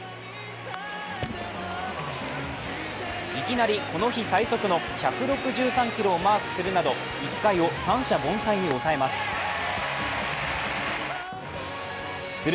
いきなり、この日最速の１６３キロをマークするなど１回を三者凡退に抑えます。